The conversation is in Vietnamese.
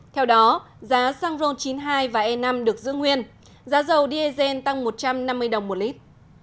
theo đó giá xăng ron chín mươi hai và e năm được giữ nguyên giá dầu diesel tăng một trăm năm mươi đồng một lít